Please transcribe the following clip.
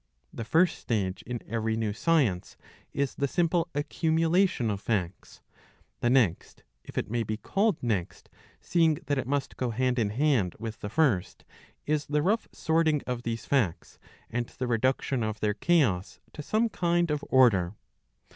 ThejArst stage in every new science is the simple accumulation ofjjacts. The next, if it may be called next, LVseeing that it must go hand in h and witji the first, is the rough sorting of these facts and the reduction of their chaos to some kind of order.